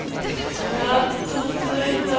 やっと着いた。